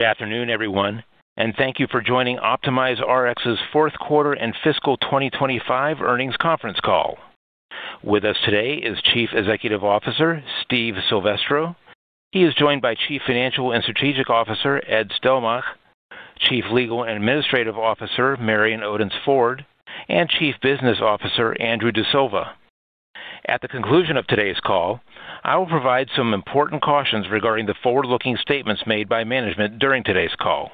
Good afternoon, everyone, thank you for joining OptimizeRx's fourth quarter and fiscal 2025 earnings conference call. With us today is Chief Executive Officer, Steve Silvestro. He is joined by Chief Financial and Strategic Officer, Ed Stelmakh, Chief Legal and Administrative Officer, Marion Odence-Ford, Chief Business Officer, Andrew D'Silva. At the conclusion of today's call, I will provide some important cautions regarding the forward-looking statements made by management during today's call.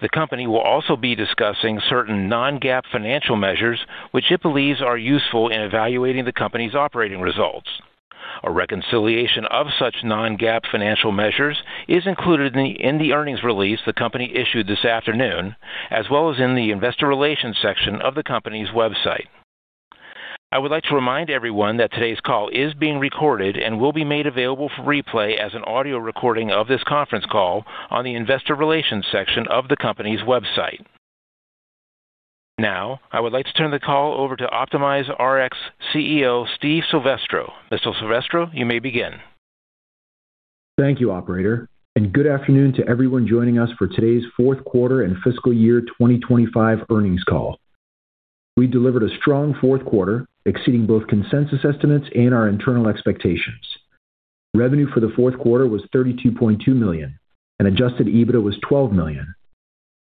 The company will also be discussing certain Non-GAAP financial measures, which it believes are useful in evaluating the company's operating results. A reconciliation of such Non-GAAP financial measures is included in the earnings release the company issued this afternoon, as well as in the investor relations section of the company's website. I would like to remind everyone that today's call is being recorded and will be made available for replay as an audio recording of this conference call on the investor relations section of the company's website. Now, I would like to turn the call over to OptimizeRx CEO, Steve Silvestro. Mr. Silvestro, you may begin. Thank you, operator. Good afternoon to everyone joining us for today's fourth quarter and fiscal year 2025 earnings call. We delivered a strong fourth quarter, exceeding both consensus estimates and our internal expectations. Revenue for the fourth quarter was $32.2 million, and adjusted EBITDA was $12 million.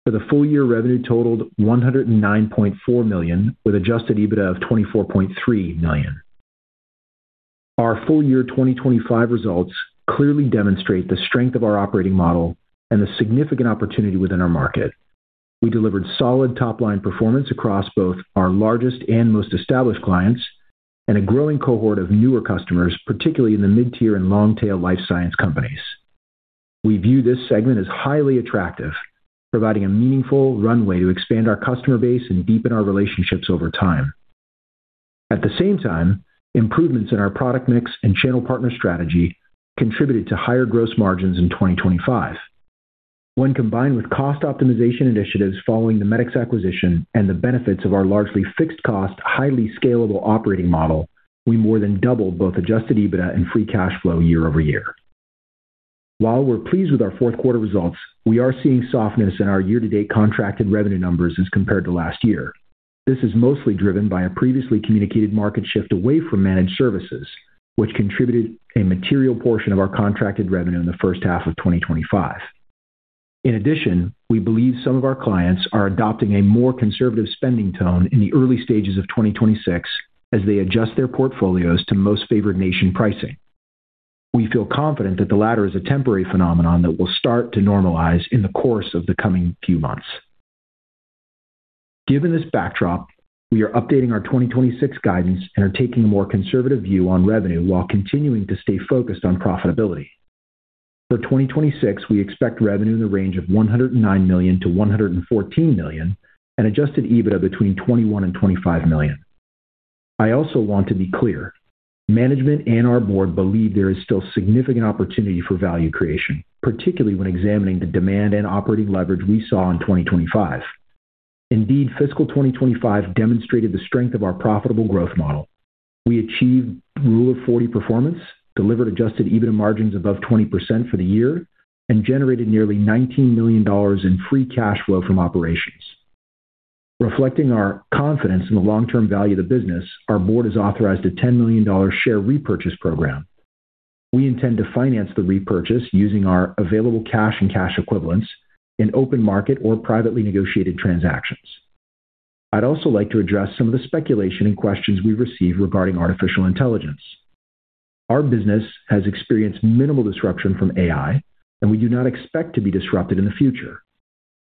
For the full year, revenue totaled $109.4 million, with adjusted EBITDA of $24.3 million. Our full year 2025 results clearly demonstrate the strength of our operating model and the significant opportunity within our market. We delivered solid top-line performance across both our largest and most established clients and a growing cohort of newer customers, particularly in the mid-tier and long-tail life science companies. We view this segment as highly attractive, providing a meaningful runway to expand our customer base and deepen our relationships over time. At the same time, improvements in our product mix and channel partner strategy contributed to higher gross margins in 2025. When combined with cost optimization initiatives following the Medicx acquisition and the benefits of our largely fixed cost, highly scalable operating model, we more than doubled both adjusted EBITDA and free cash flow year-over-year. While we're pleased with our fourth quarter results, we are seeing softness in our year-to-date contracted revenue numbers as compared to last year. This is mostly driven by a previously communicated market shift away from managed services, which contributed a material portion of our contracted revenue in the first half of 2025. In addition, we believe some of our clients are adopting a more conservative spending tone in the early stages of 2026 as they adjust their portfolios to Most-Favored-Nation pricing. We feel confident that the latter is a temporary phenomenon that will start to normalize in the course of the coming few months. Given this backdrop, we are updating our 2026 guidance and are taking a more conservative view on revenue while continuing to stay focused on profitability. For 2026, we expect revenue in the range of $109 million-$114 million and adjusted EBITDA between $21 million and $25 million. I also want to be clear. Management and our board believe there is still significant opportunity for value creation, particularly when examining the demand and operating leverage we saw in 2025. Fiscal 2025 demonstrated the strength of our profitable growth model. We achieved Rule of 40 performance, delivered adjusted EBITDA margins above 20% for the year, and generated nearly $19 million in free cash flow from operations. Reflecting our confidence in the long-term value of the business, our board has authorized a $10 million share repurchase program. We intend to finance the repurchase using our available cash and cash equivalents in open market or privately negotiated transactions. I'd also like to address some of the speculation and questions we've received regarding artificial intelligence. Our business has experienced minimal disruption from AI. We do not expect to be disrupted in the future.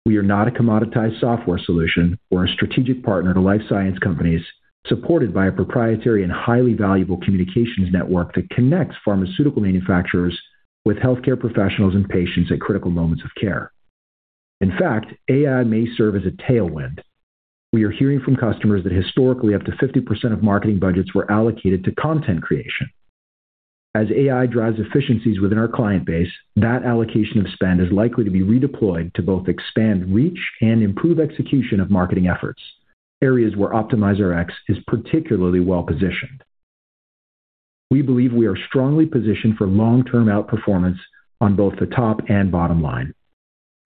We are not a commoditized software solution. We're a strategic partner to life science companies, supported by a proprietary and highly valuable communications network that connects pharmaceutical manufacturers with healthcare professionals and patients at critical moments of care. In fact, AI may serve as a tailwind. We are hearing from customers that historically up to 50% of marketing budgets were allocated to content creation. As AI drives efficiencies within our client base, that allocation of spend is likely to be redeployed to both expand reach and improve execution of marketing efforts, areas where OptimizeRx is particularly well-positioned. We believe we are strongly positioned for long-term outperformance on both the top and bottom line.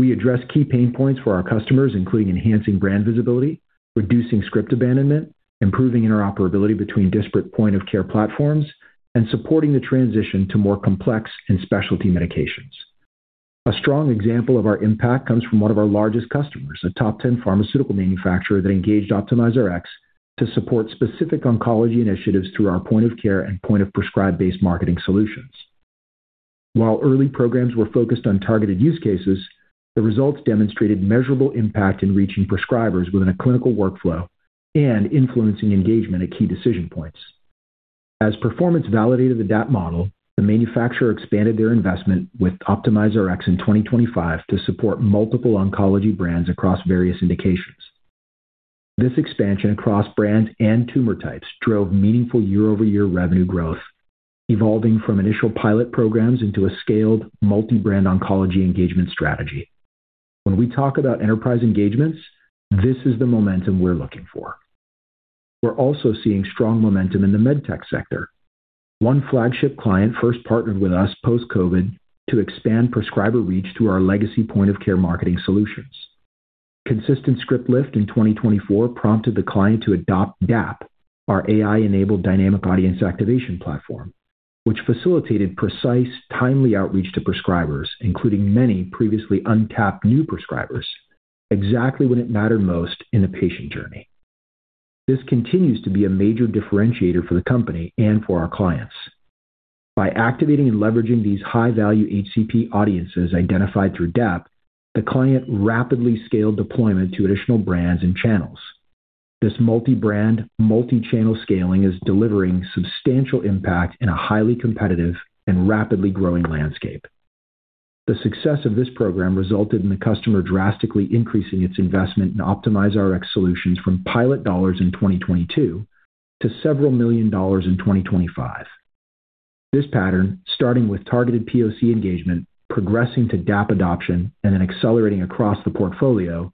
We address key pain points for our customers, including enhancing brand visibility, reducing script abandonment, improving interoperability between disparate point-of-care platforms, and supporting the transition to more complex and specialty medications. A strong example of our impact comes from one of our largest customers, a top 10 pharmaceutical manufacturer that engaged OptimizeRx to support specific oncology initiatives through our point-of-care and point-of-prescribe-based marketing solutions. While early programs were focused on targeted use cases, the results demonstrated measurable impact in reaching prescribers within a clinical workflow and influencing engagement at key decision points. As performance validated the DAAP model, the manufacturer expanded their investment with OptimizeRx in 2025 to support multiple oncology brands across various indications. This expansion across brands and tumor types drove meaningful year-over-year revenue growth, evolving from initial pilot programs into a scaled multi-brand oncology engagement strategy. When we talk about enterprise engagements, this is the momentum we're looking for. We're also seeing strong momentum in the med tech sector. One flagship client first partnered with us post-COVID to expand prescriber reach to our legacy point-of-care marketing solutions. Consistent script lift in 2024 prompted the client to adopt DAAP, our AI-enabled dynamic audience activation platform, which facilitated precise, timely outreach to prescribers, including many previously untapped new prescribers, exactly when it mattered most in the patient journey. This continues to be a major differentiator for the company and for our clients. By activating and leveraging these high-value HCP audiences identified through DAP, the client rapidly scaled deployment to additional brands and channels. This multi-brand, multi-channel scaling is delivering substantial impact in a highly competitive and rapidly growing landscape. The success of this program resulted in the customer drastically increasing its investment in OptimizeRx solutions from pilot dollars in 2022 to several million dollars in 2025. This pattern, starting with targeted POC engagement, progressing to DAP adoption, and then accelerating across the portfolio,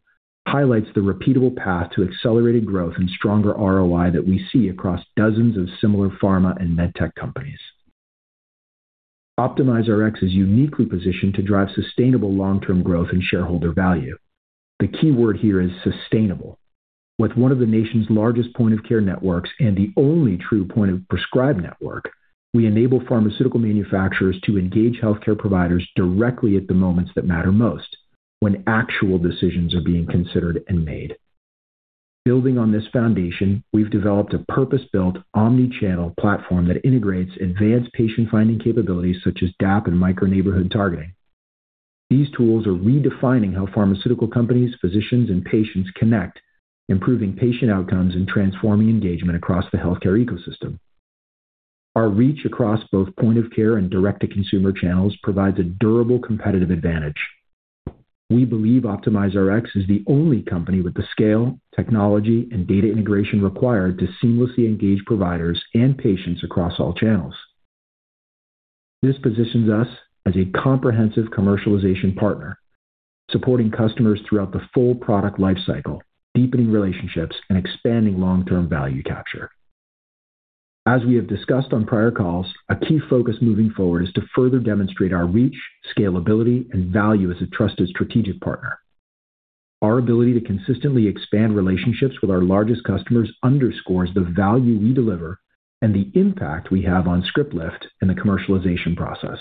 highlights the repeatable path to accelerated growth and stronger ROI that we see across dozens of similar pharma and med tech companies. OptimizeRx is uniquely positioned to drive sustainable long-term growth and shareholder value. The key word here is sustainable. With one of the nation's largest point-of-care networks and the only true point-of-prescribe network, we enable pharmaceutical manufacturers to engage healthcare providers directly at the moments that matter most, when actual decisions are being considered and made. Building on this foundation, we've developed a purpose-built omnichannel platform that integrates advanced patient-finding capabilities such as DAAP and Micro-Neighborhood Targeting. These tools are redefining how pharmaceutical companies, physicians, and patients connect, improving patient outcomes and transforming engagement across the healthcare ecosystem. Our reach across both point-of-care and direct-to-consumer channels provides a durable competitive advantage. We believe OptimizeRx is the only company with the scale, technology, and data integration required to seamlessly engage providers and patients across all channels. This positions us as a comprehensive commercialization partner, supporting customers throughout the full product life cycle, deepening relationships, and expanding long-term value capture. As we have discussed on prior calls, a key focus moving forward is to further demonstrate our reach, scalability, and value as a trusted strategic partner. Our ability to consistently expand relationships with our largest customers underscores the value we deliver and the impact we have on script lift in the commercialization process.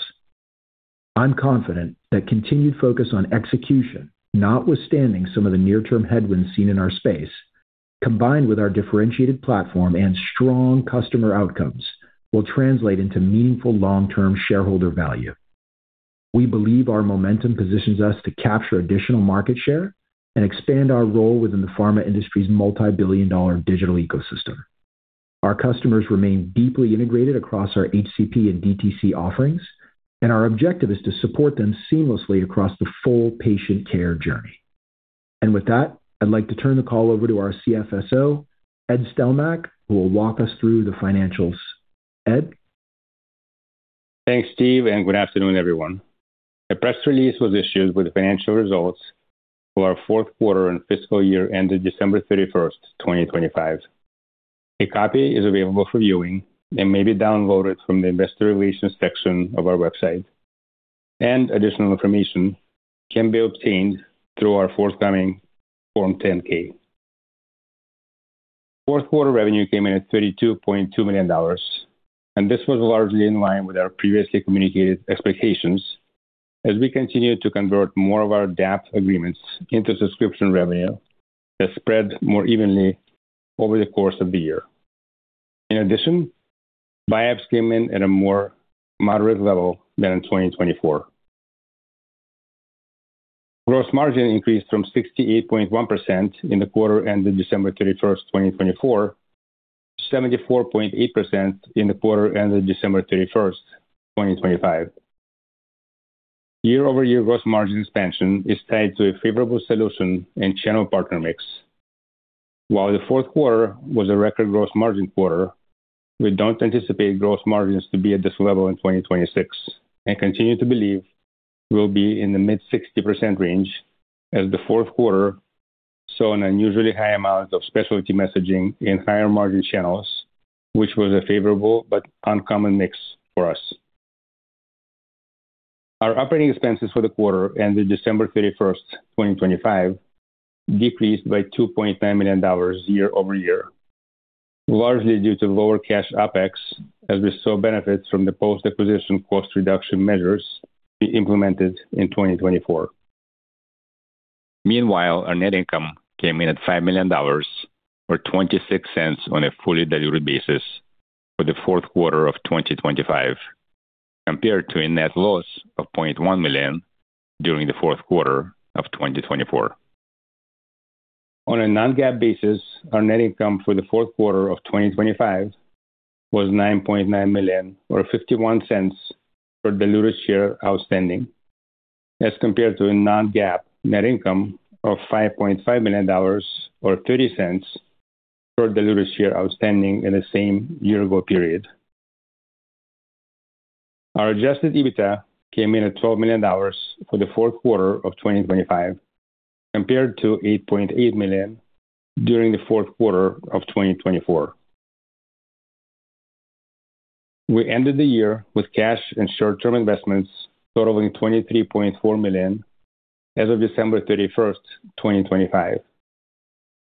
I'm confident that continued focus on execution, notwithstanding some of the near-term headwinds seen in our space, combined with our differentiated platform and strong customer outcomes, will translate into meaningful long-term shareholder value. We believe our momentum positions us to capture additional market share and expand our role within the pharma industry's multi-billion dollar digital ecosystem. Our customers remain deeply integrated across our HCP and DTC offerings, and our objective is to support them seamlessly across the full patient care journey. With that, I'd like to turn the call over to our CFSO, Ed Stelmakh, who will walk us through the financials. Ed? Thanks, Steve. Good afternoon, everyone. A press release was issued with the financial results for our fourth quarter and fiscal year ended December 31st, 2025. A copy is available for viewing and may be downloaded from the investor relations section of our website. Additional information can be obtained through our forthcoming Form 10-K. Fourth quarter revenue came in at $32.2 million. This was largely in line with our previously communicated expectations as we continued to convert more of our DAAP agreements into subscription revenue that spread more evenly over the course of the year. In addition, buy-ups came in at a more moderate level than in 2024. Gross margin increased from 68.1% in the quarter ending December 31st, 2024 to 74.8% in the quarter ending December 31st, 2025. Year-over-year gross margin expansion is tied to a favorable solution and channel partner mix. While the fourth quarter was a record gross margin quarter, we don't anticipate gross margins to be at this level in 2026 and continue to believe we'll be in the mid 60% range as the fourth quarter saw an unusually high amount of specialty messaging in higher margin channels, which was a favorable but uncommon mix for us. Our operating expenses for the quarter ending December 31st, 2025 decreased by $2.9 million year-over-year, largely due to lower cash OpEx as we saw benefits from the post-acquisition cost reduction measures we implemented in 2024. Meanwhile, our net income came in at $5 million, or $0.26 on a fully diluted basis for the fourth quarter of 2025, compared to a net loss of $0.1 million during the fourth quarter of 2024. On a Non-GAAP basis, our net income for the fourth quarter of 2025 was $9.9 million or $0.51 per diluted share outstanding as compared to a Non-GAAP net income of $5.5 million or $0.30 per diluted share outstanding in the same year-ago period. Our adjusted EBITDA came in at $12 million for the fourth quarter of 2025, compared to $8.8 million during the fourth quarter of 2024. We ended the year with cash and short-term investments totaling $23.4 million as of December 31st, 2025,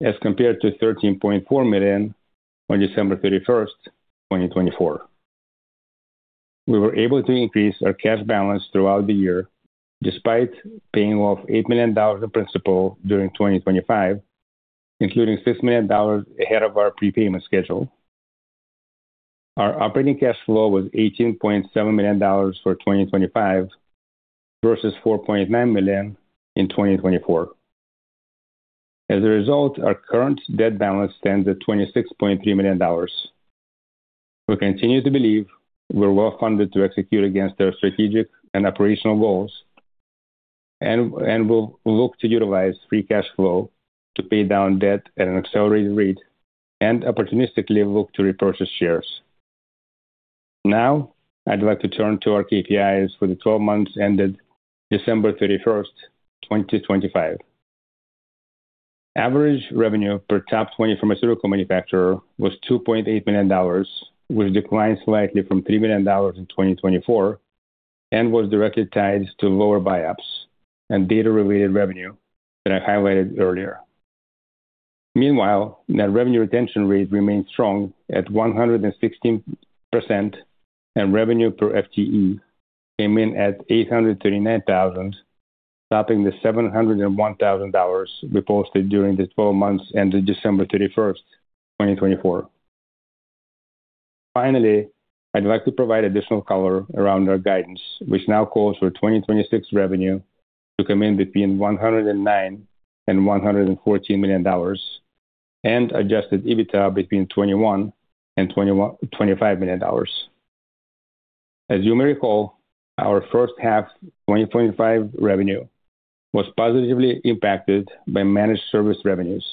as compared to $13.4 million on December 31st, 2024. We were able to increase our cash balance throughout the year despite paying off $8 million of principal during 2025, including $6 million ahead of our prepayment schedule. Our operating cash flow was $18.7 million for 2025 versus $4.9 million in 2024. As a result, our current debt balance stands at $26.3 million. We continue to believe we're well-funded to execute against our strategic and operational goals and we'll look to utilize free cash flow to pay down debt at an accelerated rate and opportunistically look to repurchase shares. I'd like to turn to our KPIs for the 12 months ended December 31st, 2025. Average revenue per top 20 pharmaceutical manufacturer was $2.8 million, which declined slightly from $3 million in 2024 and was directly tied to lower buy-ups and data-related revenue that I highlighted earlier. Meanwhile, net revenue retention rate remains strong at 116%, and revenue per FTE came in at $839,000, topping the $701,000 we posted during the 12 months ended December 31, 2024. Finally, I'd like to provide additional color around our guidance, which now calls for 2026 revenue to come in between $109 million-$114 million and adjusted EBITDA between $21 million-$25 million. As you may recall, our first half 2025 revenue was positively impacted by managed service revenues,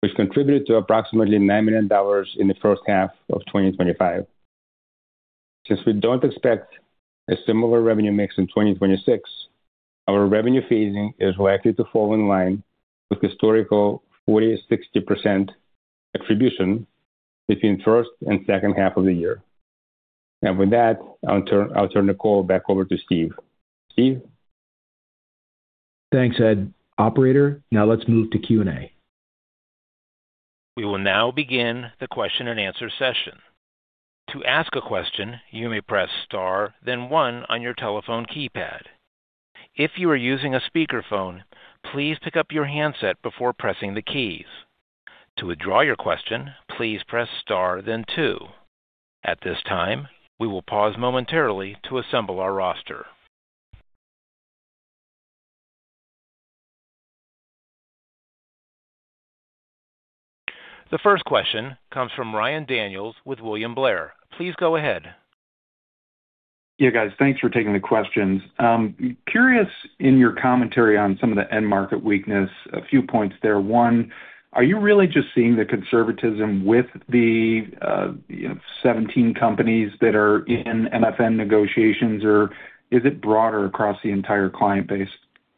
which contributed to approximately $9 million in the first half of 2025. Since we don't expect a similar revenue mix in 2026, our revenue phasing is likely to fall in line with historical 40%-60% attribution between first and second half of the year. With that, I'll turn the call back over to Steve. Steve? Thanks, Ed. Operator, now let's move to Q&A. We will now begin the question-and-answer session. To ask a question, you may press star then one on your telephone keypad. If you are using a speakerphone, please pick up your handset before pressing the keys. To withdraw your question, please press star then two. At this time, we will pause momentarily to assemble our roster. The first question comes from Ryan Daniels with William Blair. Please go ahead. Guys, thanks for taking the questions. Curious, in your commentary on some of the end market weakness, a few points there. one. Are you really just seeing the conservatism with the, you know, 17 companies that are in MFN negotiations, or is it broader across the entire client base?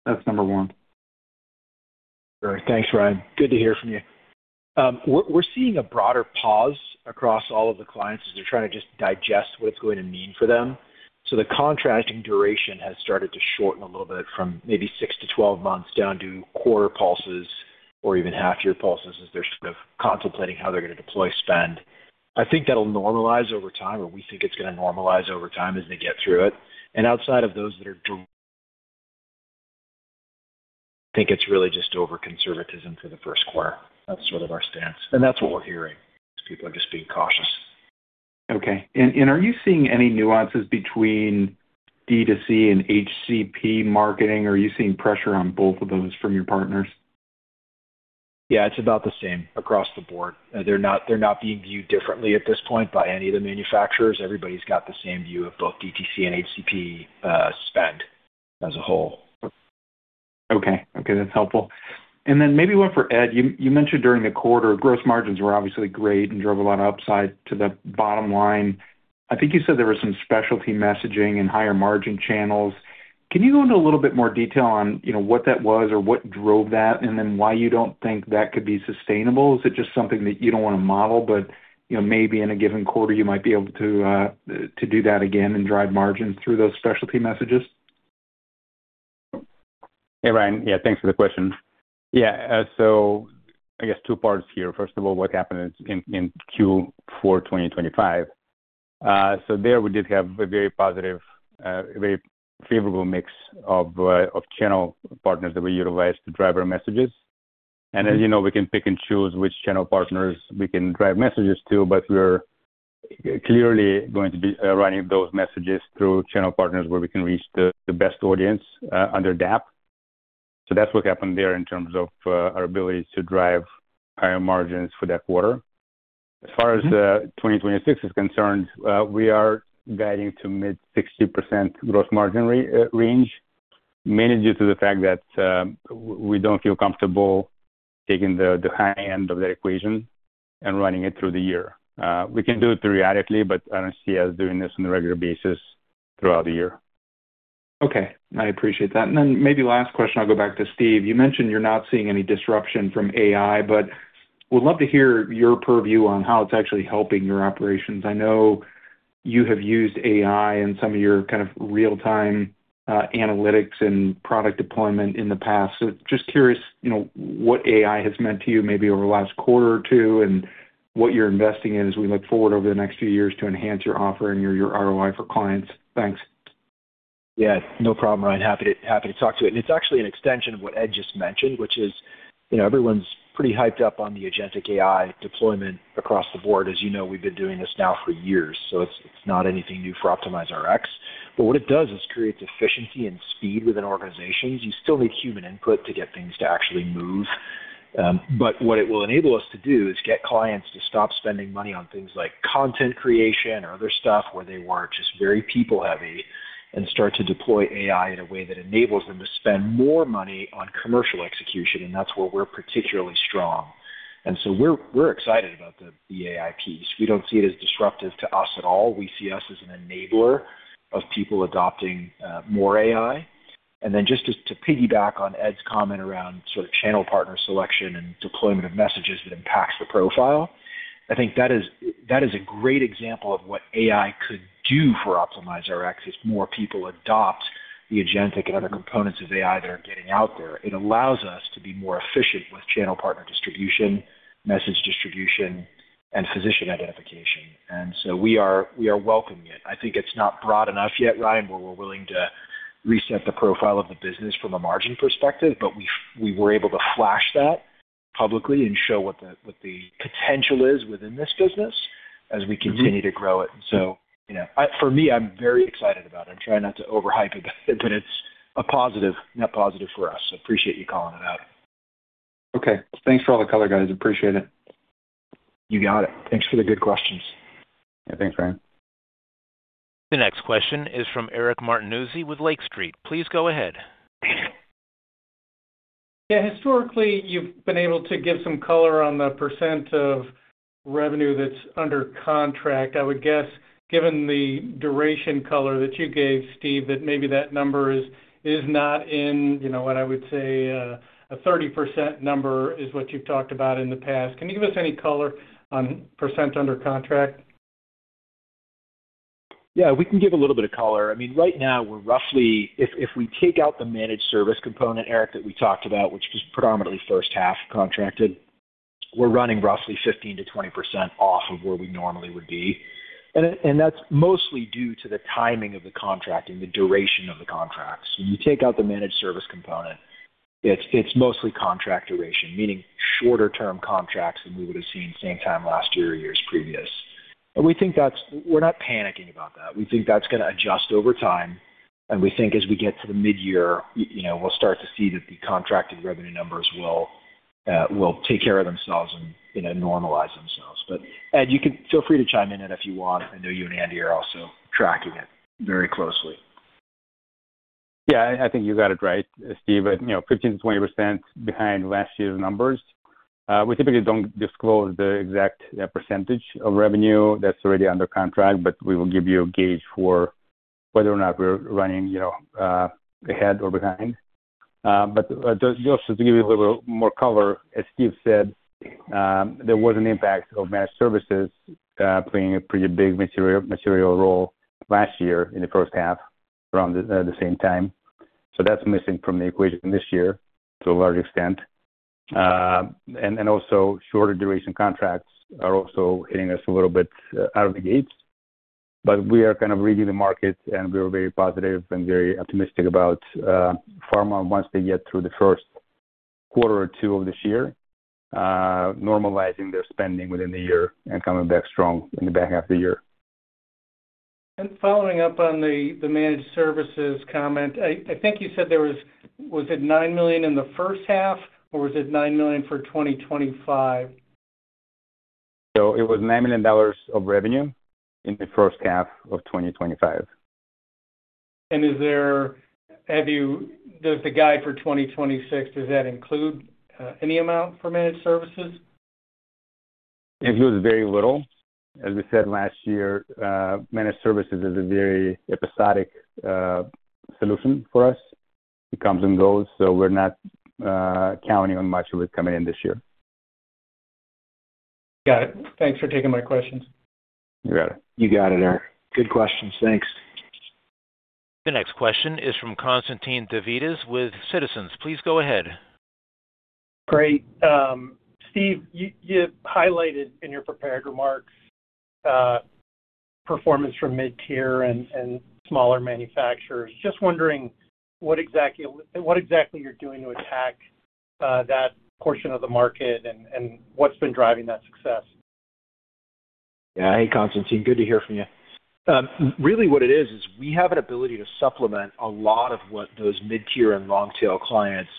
That's number one. Sure. Thanks, Ryan. Good to hear from you. We're seeing a broader pause across all of the clients as they're trying to just digest what it's going to mean for them. The contracting duration has started to shorten a little bit from maybe six months -12 months down to quarter pulses or even half-year pulses as they're sort of contemplating how they're going to deploy spend. I think that'll normalize over time, or we think it's going to normalize over time as they get through it. Outside of those that are I think it's really just over conservatism for the first quarter. That's sort of our stance, and that's what we're hearing. Is people are just being cautious. Okay. Are you seeing any nuances between DTC and HCP marketing, or are you seeing pressure on both of those from your partners? Yeah, it's about the same across the board. They're not being viewed differently at this point by any of the manufacturers. Everybody's got the same view of both DTC and HCP, spend as a whole. Okay. Okay, that's helpful. Then maybe one for Ed. You mentioned during the quarter, gross margins were obviously great and drove a lot of upside to the bottom line. I think you said there was some specialty messaging and higher margin channels. Can you go into a little bit more detail on, you know, what that was or what drove that and then why you don't think that could be sustainable? Is it just something that you don't want to model but, you know, maybe in a given quarter you might be able to to do that again and drive margins through those specialty messages? Hey, Ryan. Yeah, thanks for the question. Yeah. I guess two parts here. First of all, what happened in fourth quarter 2025. There we did have a very positive, very favorable mix of channel partners that we utilized to drive our messages. As you know, we can pick and choose which channel partners we can drive messages to, but we're clearly going to be running those messages through channel partners where we can reach the best audience under DAAP. That's what happened there in terms of our ability to drive higher margins for that quarter. As far as 2026 is concerned, we are guiding to mid-60% gross margin range. Mainly due to the fact that, we don't feel comfortable taking the high end of that equation and running it through the year. We can do it periodically, but I don't see us doing this on a regular basis throughout the year. Okay. I appreciate that. Maybe last question, I'll go back to Steve. You mentioned you're not seeing any disruption from AI, would love to hear your purview on how it's actually helping your operations. I know you have used AI in some of your kind of real-time analytics and product deployment in the past. Just curious, you know, what AI has meant to you maybe over the last quarter or two and what you're investing in as we look forward over the next few years to enhance your offering or your ROI for clients. Thanks. Yeah, no problem, Ryan. Happy to talk to it. It's actually an extension of what Ed just mentioned, which is, you know, everyone's pretty hyped up on the Agentic AI deployment across the board. As you know, we've been doing this now for years, so it's not anything new for OptimizeRx. What it does is creates efficiency and speed within organizations. You still need human input to get things to actually move. What it will enable us to do is get clients to stop spending money on things like content creation or other stuff where they were just very people-heavy and start to deploy AI in a way that enables them to spend more money on commercial execution, and that's where we're particularly strong. We're excited about the AI piece. We don't see it as disruptive to us at all. We see us as an enabler of people adopting more AI. Then just to piggyback on Ed's comment around sort of channel partner selection and deployment of messages that impacts the profile, I think that is a great example of what AI could do for OptimizeRx as more people adopt the Agentic and other components of AI that are getting out there. It allows us to be more efficient with channel partner distribution, message distribution, and physician identification. We are welcoming it. I think it's not broad enough yet, Ryan, where we're willing to reset the profile of the business from a margin perspective, but we were able to flash that publicly and show what the potential is within this business as we continue to grow it. You know, for me, I'm very excited about it. I'm trying not to overhype it, but it's a positive, net positive for us. Appreciate you calling it out. Okay. Thanks for all the color, guys. Appreciate it. You got it. Thanks for the good questions. Yeah, thanks, Ryan. The next question is from Eric Martinuzzi with Lake Street. Please go ahead. Yeah. Historically, you've been able to give some color on the percent of revenue that's under contract. I would guess, given the duration color that you gave, Steve, that maybe that number is not in, you know, what I would say, a 30% number is what you've talked about in the past. Can you give us any color on percent under contract? Yeah, we can give a little bit of color. I mean, right now we're roughly... If we take out the managed service component, Eric, that we talked about, which is predominantly first half contracted, we're running roughly 15%-20% off of where we normally would be. That's mostly due to the timing of the contract and the duration of the contracts. When you take out the managed service component, it's mostly contract duration, meaning shorter-term contracts than we would've seen same time last year or years previous. We think that's, we're not panicking about that. We think that's gonna adjust over time, and we think as we get to the mid-year, you know, we'll start to see that the contracted revenue numbers will take care of themselves and, you know, normalize themselves. Ed, you can feel free to chime in if you want. I know you and Andy are also tracking it very closely. I think you got it right, Steve. You know, 15%-20% behind last year's numbers. We typically don't disclose the exact percentage of revenue that's already under contract, but we will give you a gauge for whether or not we're running, you know, ahead or behind. Just to give you a little more color, as Steve said, there was an impact of managed services playing a pretty big material role last year in the first half around the same time. That's missing from the equation this year to a large extent. Also shorter duration contracts are also hitting us a little bit out of the gates. We are kind of reading the market, and we are very positive and very optimistic about pharma once they get through the first quarter or two of this year, normalizing their spending within the year and coming back strong in the back half of the year. Following up on the managed services comment, I think you said there was. Was it $9 million in the first half, or was it $9 million for 2025? it was $9 million of revenue in the first half of 2025. is there-- have you-- does the guide for 2026, does that include any amount for managed services? It includes very little. As we said last year, managed services is a very episodic solution for us. It comes and goes. We're not counting on much of it coming in this year. Got it. Thanks for taking my questions. You got it. You got it, Eric. Good questions. Thanks. The next question is from Constantine Davides with Citizens. Please go ahead. Great. Steve, you highlighted in your prepared remarks, performance from mid-tier and smaller manufacturers. Just wondering what exactly you're doing to attack that portion of the market and what's been driving that success? Hey, Constantine. Really what it is we have an ability to supplement a lot of what those mid-tier and long-tail clients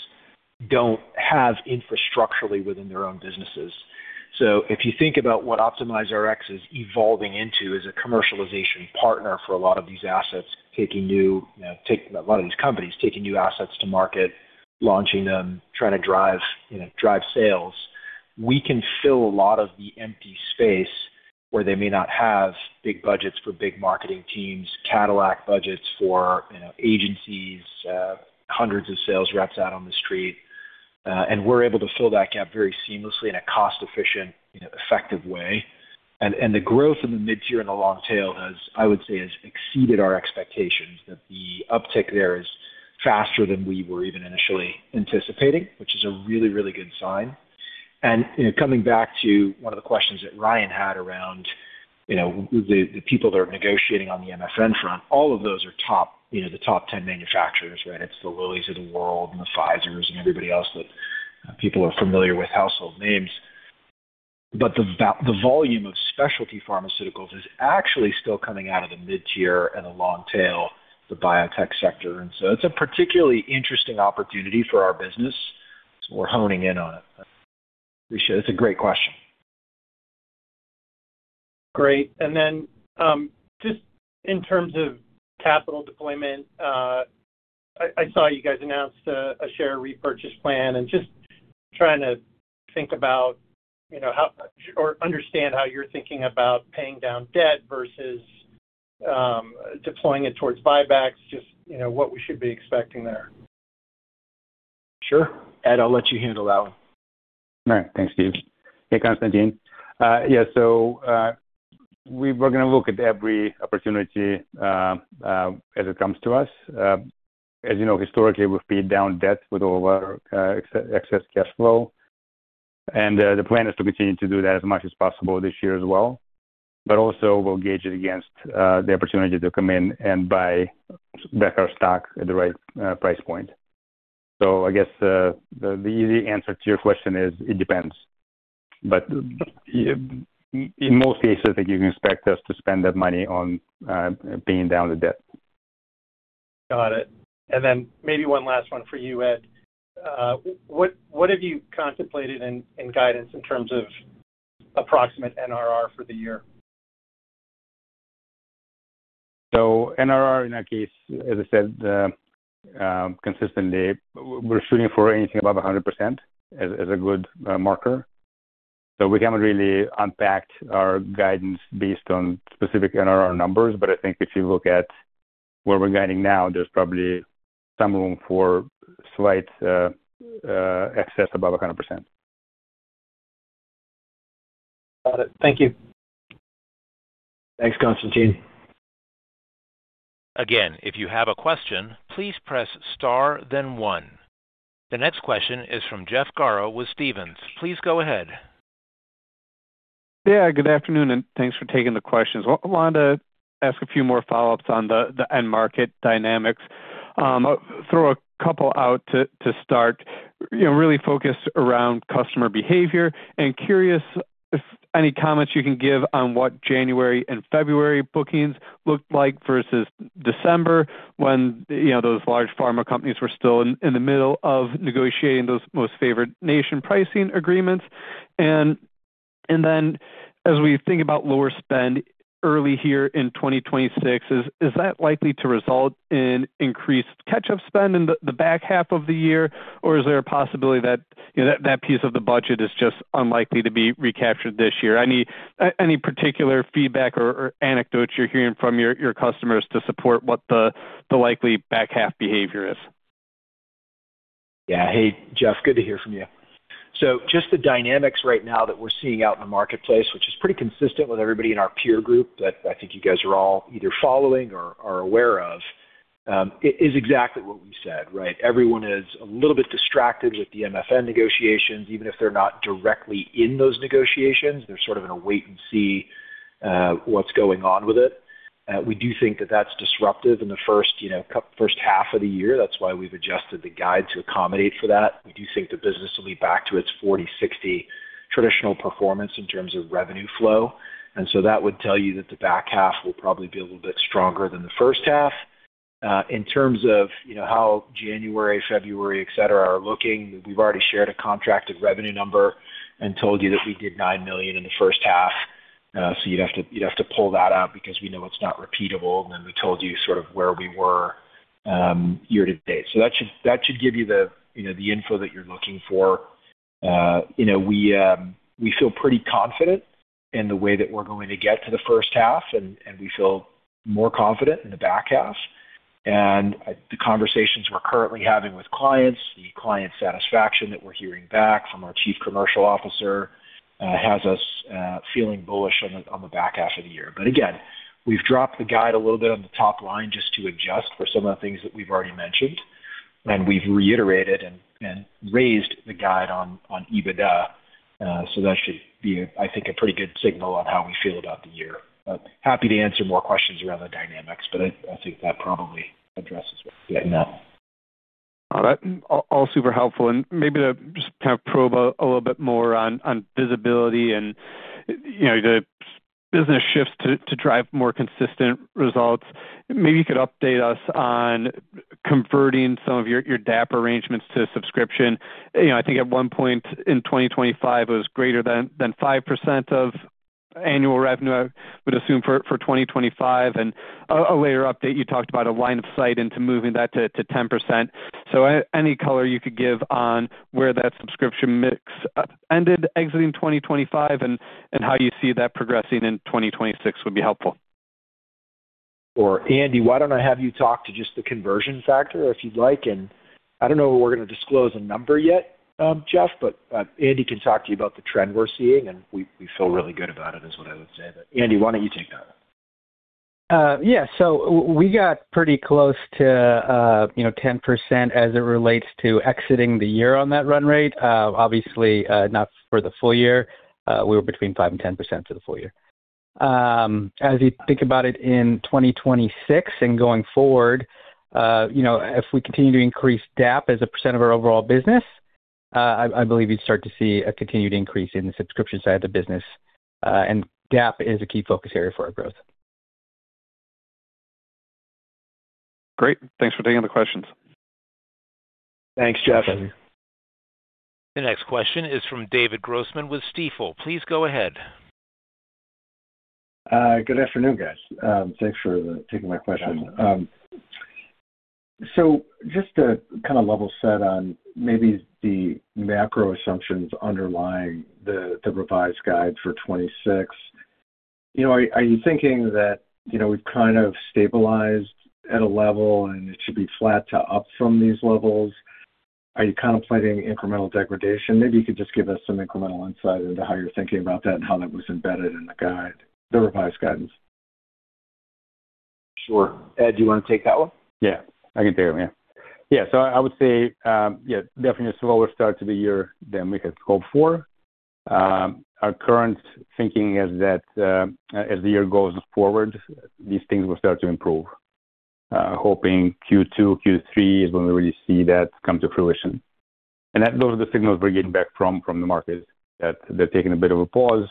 don't have infrastructurally within their own businesses. If you think about what OptimizeRx is evolving into as a commercialization partner for a lot of these assets, taking new, you know, a lot of these companies, taking new assets to market, launching them, trying to drive sales. We can fill a lot of the empty space where they may not have big budgets for big marketing teams, Cadillac budgets for, you know, agencies, hundreds of sales reps out on the street. We're able to fill that gap very seamlessly in a cost-efficient, you know, effective way. The growth in the mid-tier and the long tail has exceeded our expectations. That the uptick there is faster than we were even initially anticipating, which is a really, really good sign. You know, coming back to one of the questions that Ryan had around, you know, with the people that are negotiating on the MFN front, all of those are top, you know, the top 10 manufacturers, right? It's the Lillys of the world and the Pfizers and everybody else that people are familiar with household names. The volume of specialty pharmaceuticals is actually still coming out of the mid-tier and the long tail, the biotech sector. It's a particularly interesting opportunity for our business, so we're honing in on it. Appreciate it. It's a great question. Great. Just in terms of capital deployment, I saw you guys announced a share repurchase plan, and just trying to think about, you know, how or understand how you're thinking about paying down debt versus deploying it towards buybacks. Just, you know, what we should be expecting there. Sure. Ed, I'll let you handle that one. All right. Thanks, Steve. Hey, Constantine. Yeah. We're gonna look at every opportunity as it comes to us. As you know, historically, we've paid down debt with all of our excess cash flow. The plan is to continue to do that as much as possible this year as well. Also we'll gauge it against the opportunity to come in and buy back our stock at the right price point. I guess the easy answer to your question is, it depends. In most cases, I think you can expect us to spend that money on paying down the debt. Got it. Then maybe one last one for you, Ed. What have you contemplated in guidance in terms of approximate NRR for the year? NRR, in our case, as I said, consistently, we're shooting for anything above 100% as a good marker. We haven't really unpacked our guidance based on specific NRR numbers, but I think if you look at where we're guiding now, there's probably some room for slight excess above 100%. Got it. Thank you. Thanks, Constantine. Again, if you have a question, please press star then one. The next question is from Jeff Garro with Stephens. Please go ahead. Yeah, good afternoon, and thanks for taking the questions. Well, I wanted to ask a few more follow-ups on the end market dynamics. Throw a couple out to start, you know, really focused around customer behavior and curious if any comments you can give on what January and February bookings looked like versus December when, you know, those large pharma companies were still in the middle of negotiating those Most-Favored-Nation pricing agreements. Then as we think about lower spend early here in 2026, is that likely to result in increased catch-up spend in the back half of the year? Or is there a possibility that, you know, that piece of the budget is just unlikely to be recaptured this year? Any particular feedback or anecdotes you're hearing from your customers to support what the likely back half behavior is? Hey, Jeff, good to hear from you. Just the dynamics right now that we're seeing out in the marketplace, which is pretty consistent with everybody in our peer group that I think you guys are all either following or aware of, it is exactly what we said, right? Everyone is a little bit distracted with the MFN negotiations. Even if they're not directly in those negotiations, they're sort of in a wait and see what's going on with it. We do think that that's disruptive in the first, you know, first half of the year. That's why we've adjusted the guide to accommodate for that. We do think the business will be back to its 40/60 traditional performance in terms of revenue flow. That would tell you that the back half will probably be a little bit stronger than the first half. In terms of, you know, how January, February, et cetera, are looking, we've already shared a contracted revenue number and told you that we did $9 million in the first half. So you'd have to, you'd have to pull that out because we know it's not repeatable. We told you sort of where we were year to date. That should give you the, you know, the info that you're looking for. You know, we feel pretty confident in the way that we're going to get to the first half and we feel more confident in the back half. The conversations we're currently having with clients, the client satisfaction that we're hearing back from our chief commercial officer, has us feeling bullish on the back half of the year. Again, we've dropped the guide a little bit on the top line just to adjust for some of the things that we've already mentioned. We've reiterated and raised the guide on EBITDA, so that should be, I think, a pretty good signal on how we feel about the year. Happy to answer more questions around the dynamics, but I think that probably addresses what you're getting at. All right. All super helpful. Maybe to just kind of probe a little bit more on visibility and, you know, business shifts to drive more consistent results. Maybe you could update us on converting some of your DAAP arrangements to subscription. You know, I think at one point in 2025, it was greater than 5% of annual revenue, I would assume for 2025. A later update, you talked about a line of sight into moving that to 10%. Any color you could give on where that subscription mix ended exiting 2025 and how you see that progressing in 2026 would be helpful. Sure. Andy, why don't I have you talk to just the conversion factor, if you'd like? I don't know if we're gonna disclose a number yet, Jeff, Andy can talk to you about the trend we're seeing, and we feel really good about it, is what I would say. Andy, why don't you take that? Yeah. We got pretty close to, you know, 10% as it relates to exiting the year on that run rate. Obviously, not for the full year. We were between 5% and 10% for the full year. As you think about it in 2026 and going forward, you know, if we continue to increase DAAP as a percent of our overall business, I believe you'd start to see a continued increase in the subscription side of the business, and DAAP is a key focus area for our growth. Great. Thanks for taking the questions. Thanks, Jeff. Thanks, Andy. The next question is from David Grossman with Stifel. Please go ahead. Good afternoon, guys. Thanks for taking my question. Just to kind of level set on maybe the macro assumptions underlying the revised guide for 26. You know, are you thinking that, you know, we've kind of stabilized at a level and it should be flat to up from these levels? Are you contemplating incremental degradation? Maybe you could just give us some incremental insight into how you're thinking about that and how that was embedded in the guide, the revised guidance. Sure. Ed, do you wanna take that one? Yeah, I can take it, yeah. Yeah. I would say, yeah, definitely a slower start to the year than we had hoped for. Our current thinking is that, as the year goes forward, these things will start to improve. Hoping Q2, Q3 is when we really see that come to fruition. Those are the signals we're getting back from the markets, that they're taking a bit of a pause,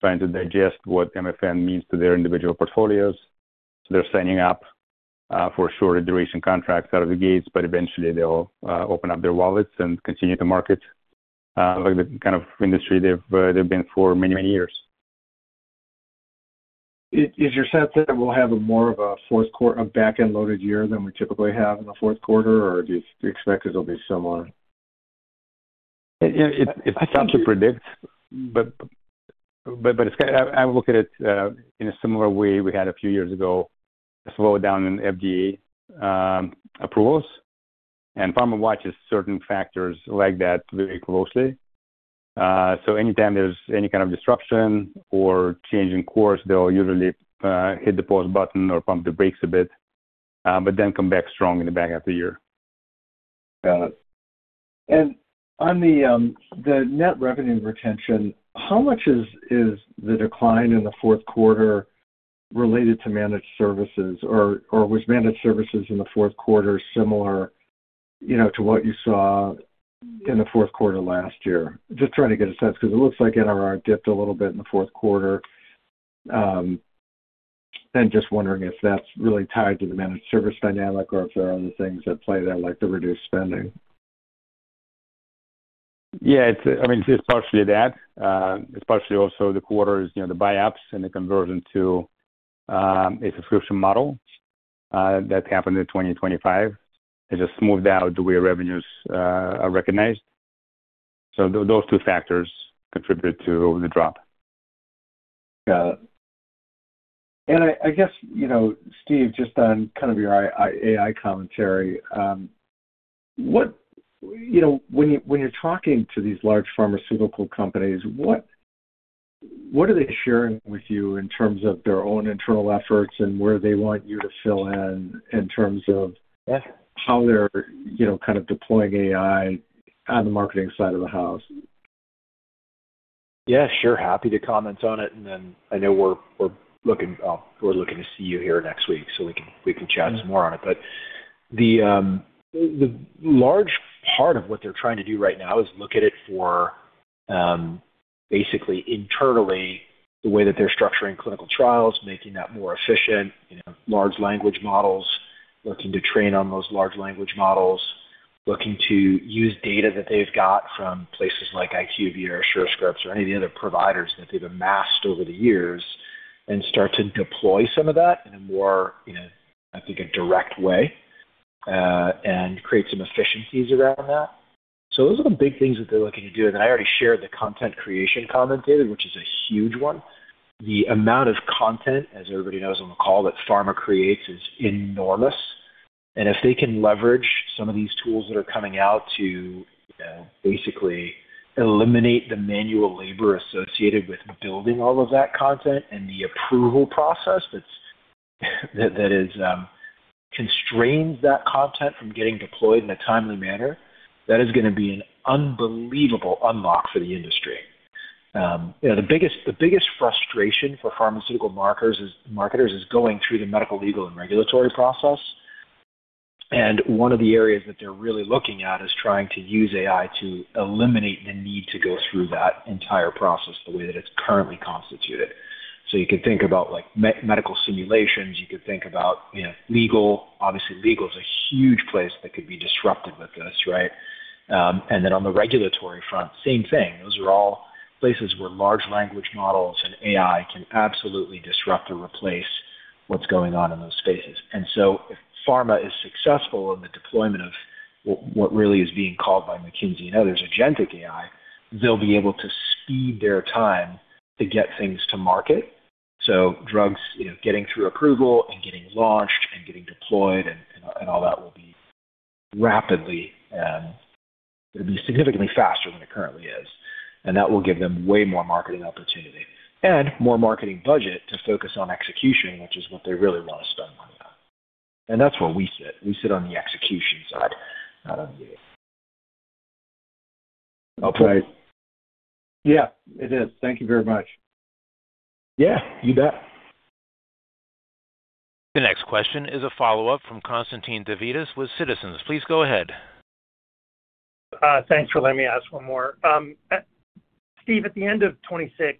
trying to digest what MFN means to their individual portfolios. They're signing up for shorter duration contracts out of the gates, but eventually they'll open up their wallets and continue to market like the kind of industry they've been for many, many years. Is your sense that we'll have a more of a fourth quarter, a back-end loaded year than we typically have in the fourth quarter or do you expect it'll be similar? It's tough to predict, but it's kinda. I look at it in a similar way we had a few years ago, a slowdown in FDA approvals. Pharma watches certain factors like that very closely. Anytime there's any kind of disruption or change in course, they'll usually hit the pause button or pump the brakes a bit, come back strong in the back half of the year. Got it. On the net revenue retention, how much is the decline in the fourth quarter related to managed services or was managed services in the fourth quarter similar, you know, to what you saw in the fourth quarter last year? Just trying to get a sense because it looks like NRR dipped a little bit in the fourth quarter, and just wondering if that's really tied to the managed services dynamic or if there are other things at play there, like the reduced spending. Yeah, I mean, it's partially that. It's partially also the quarters, you know, the buy-ups and the conversion to a subscription model that happened in 2025. It just smoothed out the way revenues are recognized. Those two factors contribute to the drop. Got it. I guess, you know, Steve, just on kind of your AI commentary, you know, when you're talking to these large pharmaceutical companies, what are they sharing with you in terms of their own internal efforts and where they want you to fill in terms of? Yeah how they're, you know, kind of deploying AI on the marketing side of the house? Yeah, sure. Happy to comment on it. I know we're looking, we're looking to see you here next week, so we can, we can chat some more on it. The large part of what they're trying to do right now is look at it for, basically internally, the way that they're structuring clinical trials, making that more efficient. You know, large language models, looking to train on those large language models. Looking to use data that they've got from places like IQVIA or Surescripts or any of the other providers that they've amassed over the years and start to deploy some of that in a more, you know, I think a direct way, and create some efficiencies around that. Those are the big things that they're looking to do. I already shared the content creation comment data, which is a huge one. The amount of content, as everybody knows on the call, that pharma creates is enormous. If they can leverage some of these tools that are coming out to, you know, basically eliminate the manual labor associated with building all of that content and the approval process that is constrains that content from getting deployed in a timely manner, that is gonna be an unbelievable unlock for the industry. You know, the biggest frustration for pharmaceutical marketers is going through the medical, legal, and regulatory process. One of the areas that they're really looking at is trying to use AI to eliminate the need to go through that entire process the way that it's currently constituted. You could think about, like, medical simulations. You could think about, you know, legal. Obviously, legal is a huge place that could be disrupted with this, right? On the regulatory front, same thing. Those are all places where large language models and AI can absolutely disrupt or replace what's going on in those spaces. If pharma is successful in the deployment of what really is being called by McKinsey and others Agentic AI, they'll be able to speed their time to get things to market. Drugs, you know, getting through approval and getting launched and getting deployed and all that will be rapidly, it'll be significantly faster than it currently is. That will give them way more marketing opportunity and more marketing budget to focus on execution, which is what they really wanna spend money on. That's where we sit. We sit on the execution side, not on the- Right. Yeah, it is. Thank you very much. Yeah, you bet. The next question is a follow-up from Constantine Davides with Citizens. Please go ahead. Thanks for letting me ask one more. Steve, at the end of 2026,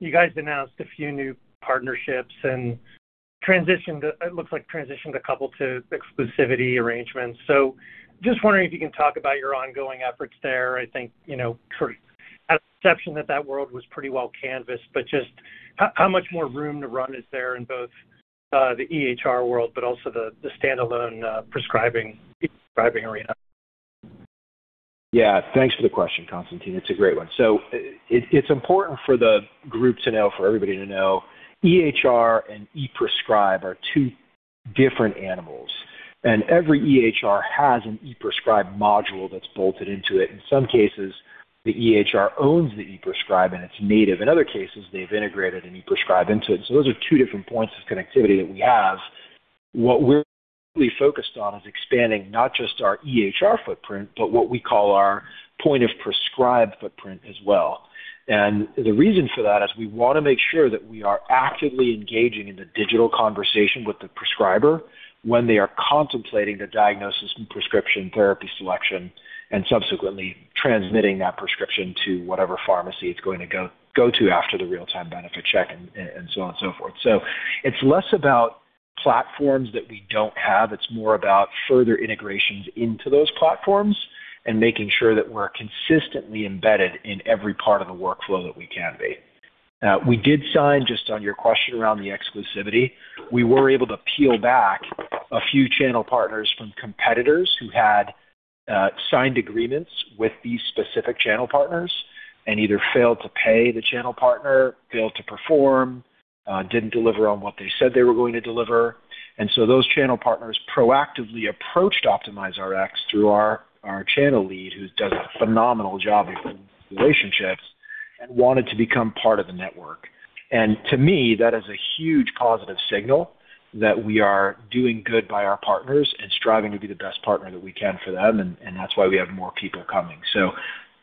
you guys announced a few new partnerships and transitioned a couple to exclusivity arrangements. Just wondering if you can talk about your ongoing efforts there. I think, you know, had an exception that that world was pretty well canvassed, but just how much more room to run is there in both, the EHR world, but also the standalone, ePrescribe arena? Yeah. Thanks for the question, Constantine. It's a great one. It's important for the group to know, for everybody to know, EHR and ePrescribe are two different animals, and every EHR has an ePrescribe module that's bolted into it. In some cases, the EHR owns the ePrescribe, and it's native. In other cases, they've integrated an ePrescribe into it. Those are two different points of connectivity that we have. What we're really focused on is expanding not just our EHR footprint, but what we call our point-of-prescribe footprint as well. The reason for that is we wanna make sure that we are actively engaging in the digital conversation with the prescriber when they are contemplating the diagnosis and prescription therapy selection and subsequently transmitting that prescription to whatever pharmacy it's going to go to after the Real-Time Benefit Check and so on and so forth. It's less about platforms that we don't have. It's more about further integrations into those platforms and making sure that we're consistently embedded in every part of the workflow that we can be. We did sign, just on your question around the exclusivity, we were able to peel back a few channel partners from competitors who had signed agreements with these specific channel partners and either failed to pay the channel partner, failed to perform, didn't deliver on what they said they were going to deliver. Those channel partners proactively approached OptimizeRx through our channel lead, who's done a phenomenal job of building these relationships and wanted to become part of the network. To me, that is a huge positive signal that we are doing good by our partners and striving to be the best partner that we can for them, and that's why we have more people coming.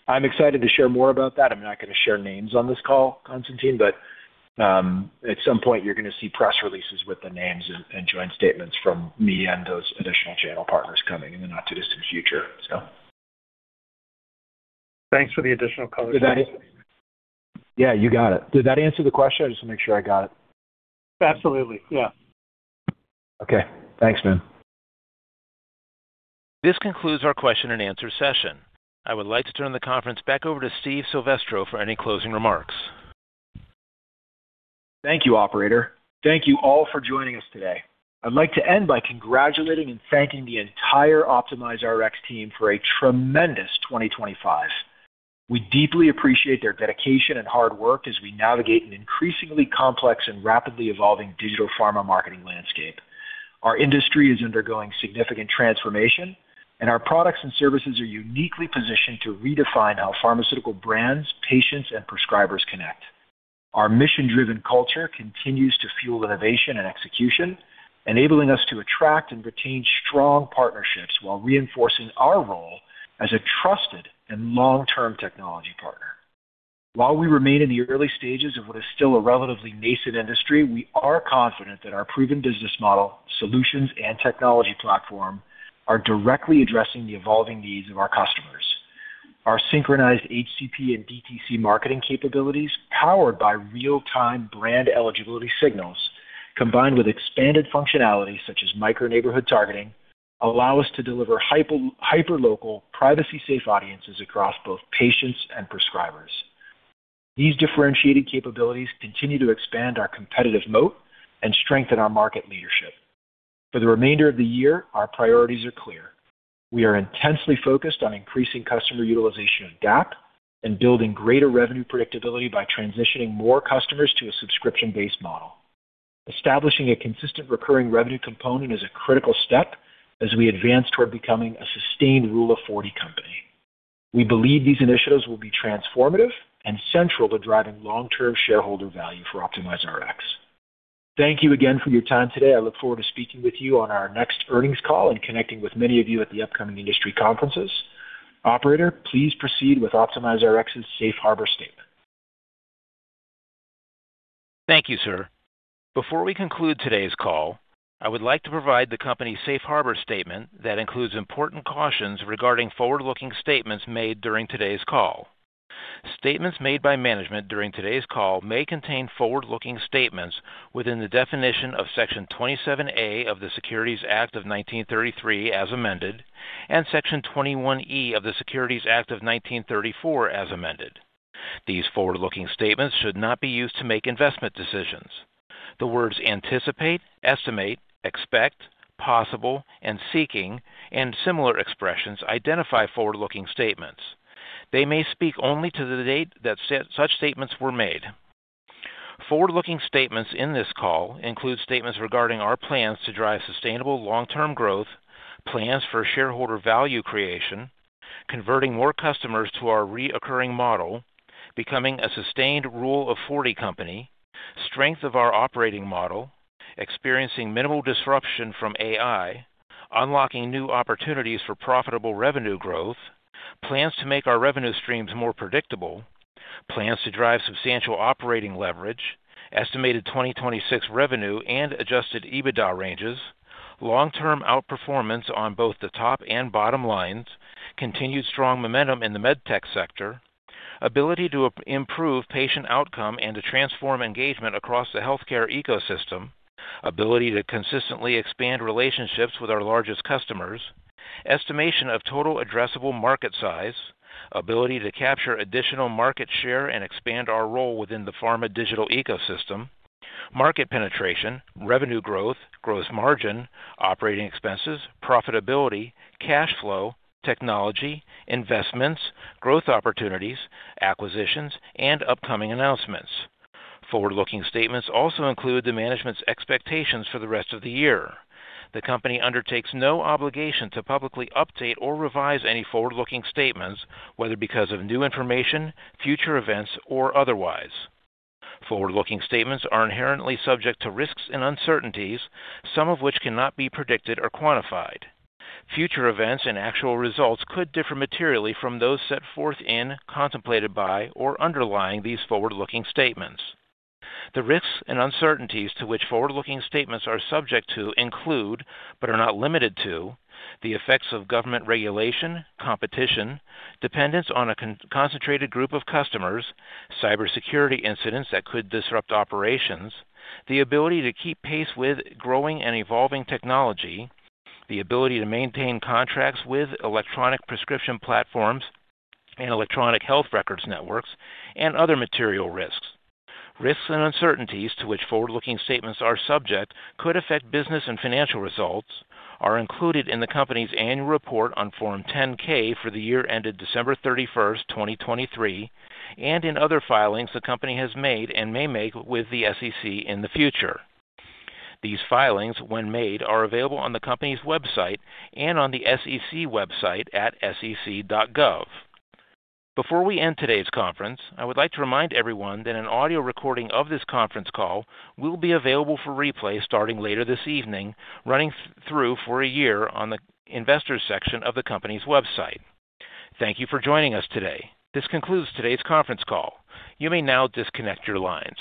I'm excited to share more about that. I'm not going to share names on this call, Constantine, but at some point, you're going to see press releases with the names and joint statements from me and those additional channel partners coming in the not-too-distant future. Thanks for the additional color. Did that... Yeah, you got it. Did that answer the question? Just to make sure I got it. Absolutely. Yeah. Okay. Thanks, man. This concludes our question and answer session. I would like to turn the conference back over to Steve Silvestro for any closing remarks. Thank you, operator. Thank you all for joining us today. I'd like to end by congratulating and thanking the entire OptimizeRx team for a tremendous 2025. We deeply appreciate their dedication and hard work as we navigate an increasingly complex and rapidly evolving digital pharma marketing landscape. Our industry is undergoing significant transformation. Our products and services are uniquely positioned to redefine how pharmaceutical brands, patients, and prescribers connect. Our mission-driven culture continues to fuel innovation and execution, enabling us to attract and retain strong partnerships while reinforcing our role as a trusted and long-term technology partner. While we remain in the early stages of what is still a relatively nascent industry, we are confident that our proven business model, solutions, and technology platform are directly addressing the evolving needs of our customers. Our synchronized HCP and DTC marketing capabilities, powered by real-time brand eligibility signals combined with expanded functionality such as Micro-Neighborhood Targeting, allow us to deliver hyper-local, privacy-safe audiences across both patients and prescribers. These differentiated capabilities continue to expand our competitive moat and strengthen our market leadership. For the remainder of the year, our priorities are clear. We are intensely focused on increasing customer utilization of DAAP and building greater revenue predictability by transitioning more customers to a subscription-based model. Establishing a consistent recurring revenue component is a critical step as we advance toward becoming a sustained Rule of 40 company. We believe these initiatives will be transformative and central to driving long-term shareholder value for OptimizeRx. Thank you again for your time today. I look forward to speaking with you on our next earnings call and connecting with many of you at the upcoming industry conferences. Operator, please proceed with OptimizeRx's Safe Harbor Statement. Thank you, sir. Before we conclude today's call, I would like to provide the company's safe harbor statement that includes important cautions regarding forward-looking statements made during today's call. Statements made by management during today's call may contain forward-looking statements within the definition of Section 27A of the Securities Act of 1933, as amended, and Section 21E of the Securities Act of 1934, as amended. These forward-looking statements should not be used to make investment decisions. The words anticipate, estimate, expect, possible, and seeking, and similar expressions identify forward-looking statements. They may speak only to the date that such statements were made. Forward-looking statements in this call include statements regarding our plans to drive sustainable long-term growth, plans for shareholder value creation, converting more customers to our recurring model, becoming a sustained Rule of 40 company, strength of our operating model, experiencing minimal disruption from AI, unlocking new opportunities for profitable revenue growth, plans to make our revenue streams more predictable, plans to drive substantial operating leverage, estimated 2026 revenue and adjusted EBITDA ranges, long-term outperformance on both the top and bottom lines, continued strong momentum in the medtech sector, ability to improve patient outcome and to transform engagement across the healthcare ecosystem, ability to consistently expand relationships with our largest customers, estimation of total addressable market size, ability to capture additional market share and expand our role within the pharma digital ecosystem, market penetration, revenue growth margin, operating expenses, profitability, cash flow, technology, investments, growth opportunities, acquisitions, and upcoming announcements. Forward-looking statements also include the management's expectations for the rest of the year. The company undertakes no obligation to publicly update or revise any forward-looking statements, whether because of new information, future events, or otherwise. Forward-looking statements are inherently subject to risks and uncertainties, some of which cannot be predicted or quantified. Future events and actual results could differ materially from those set forth in, contemplated by, or underlying these forward-looking statements. The risks and uncertainties to which forward-looking statements are subject to include, but are not limited to the effects of government regulation, competition, dependence on a concentrated group of customers, cybersecurity incidents that could disrupt operations, the ability to keep pace with growing and evolving technology, the ability to maintain contracts with electronic prescription platforms and electronic health records networks, and other material risks. Risks and uncertainties to which forward-looking statements are subject could affect business and financial results are included in the company's annual report on Form 10-K for the year ended December 31st, 2023, and in other filings the company has made and may make with the SEC in the future. These filings, when made, are available on the company's website and on the SEC website at sec.gov. Before we end today's conference, I would like to remind everyone that an audio recording of this conference call will be available for replay starting later this evening, running through for a year on the investor section of the company's website. Thank you for joining us today. This concludes today's conference call. You may now disconnect your lines.